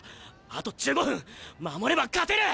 あと１５分守れば勝てる！